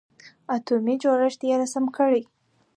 اتومي جوړښت یې رسم کړئ.